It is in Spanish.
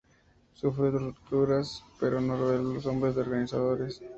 Sufrió torturas pero no reveló los nombres de los organizadores.